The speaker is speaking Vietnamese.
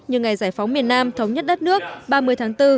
như ngày giải phóng miền nam thống nhất đất nước ba mươi tháng bốn